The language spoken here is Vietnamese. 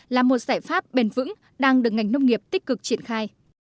là một giải pháp bền vững đang được ngành nông nghiệp tích cực triển khai